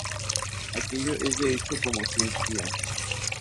Aquello es de hecho cómo sentía.